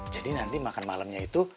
jadi nanti makan malamnya itu